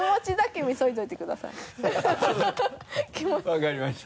分かりました。